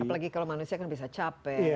apalagi kalau manusia kan bisa capek